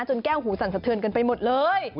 แก้วหูสั่นสะเทือนกันไปหมดเลย